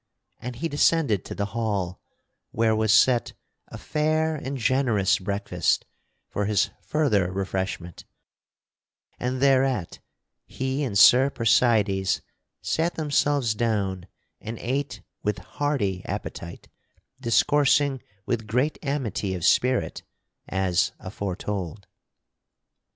And he descended to the hall where was set a fair and generous breakfast for his further refreshment, and thereat he and Sir Percydes sat themselves down and ate with hearty appetite, discoursing with great amity of spirit as aforetold.